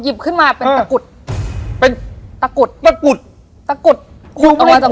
ขึ้นมาเป็นตะกรุดเป็นตะกรุดตะกุดตะกรุดคุมออกมาจาก